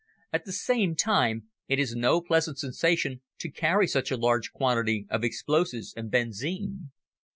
At the same time it is no pleasant sensation to carry such a large quantity of explosives and benzine.